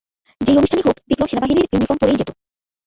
যেই অনুষ্ঠানই হোক, বিক্রম সেনাবাহিনীর ইউনিফর্ম পরেই যেত।